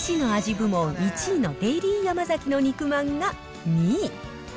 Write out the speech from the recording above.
部門１位のデイリーヤマザキの肉まんが２位。